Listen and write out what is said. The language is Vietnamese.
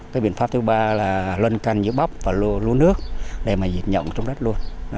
cái biện pháp thứ ba là luân canh giữa bắp và lúa nước để mà diệt nhộn trong đất luôn